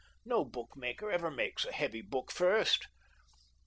No bookmaker ever makes a heavy book first.